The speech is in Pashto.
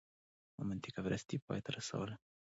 او منطقه پرستۍ پای ته رسول